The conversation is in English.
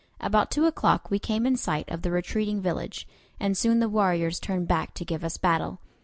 About two o'clock we came in sight of the retreating village, and soon the warriors turned back to give us battle.